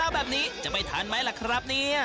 แบบนี้จะไปทันไหมล่ะครับเนี่ย